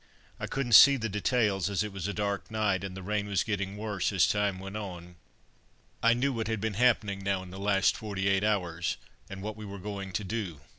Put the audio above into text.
I couldn't see the details as it was a dark night, and the rain was getting worse as time went on. I knew what had been happening now in the last forty eight hours, and what we were going to do.